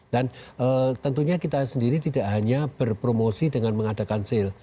dan tentunya kita sendiri tidak hanya berpromosi dengan mengadakan sale